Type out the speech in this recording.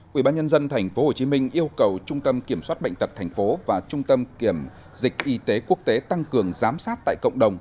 quỹ ban nhân dân tp hcm yêu cầu trung tâm kiểm soát bệnh tật tp và trung tâm kiểm dịch y tế quốc tế tăng cường giám sát tại cộng đồng